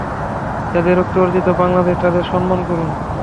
যাঁদের রক্তে অর্জিত বাংলাদেশ, তাঁদের সম্মান করুন।